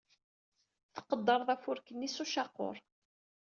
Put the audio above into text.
Tqeddred-d afurk-nni s ucaqur.